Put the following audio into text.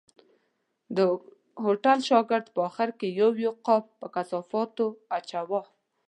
د هوټل شاګرد په آخر کې یو یو قاب په کثافاتو اچاوه.